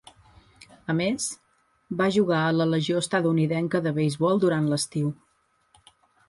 A més, va jugar a la legió Estatunidenca de Beisbol durant l'estiu.